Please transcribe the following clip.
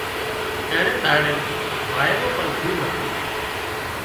اينڻي ۮاڙئي وائيرو پڻ خوٻ هتو